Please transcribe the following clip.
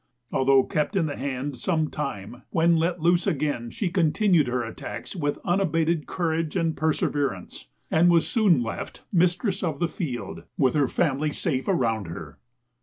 Although kept in the hand some time, when let loose again she continued her attacks with unabated courage and perseverance, and was soon left mistress of the field, with her family safe around her.